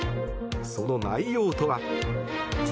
その内容とは。